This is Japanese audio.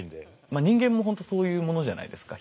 まあ人間もほんとそういうものじゃないですか。